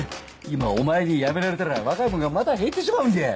今お前に辞められたら若いもんがまた減ってしまうんじゃ！